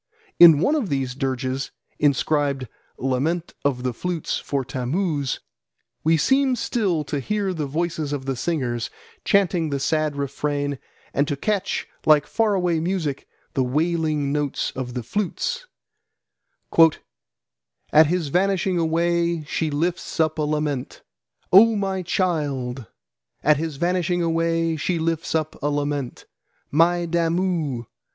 In one of these dirges, inscribed Lament of the Flutes for Tammuz, we seem still to hear the voices of the singers chanting the sad refrain and to catch, like far away music, the wailing notes of the flutes: "At his vanishing away she lifts up a lament, 'Oh my child!' at his vanishing away she lifts up a lament; 'My Damu!'